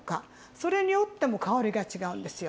それによっても香りが違うんですよ。